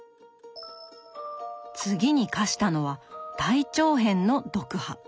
次に課したのは大長編の読破。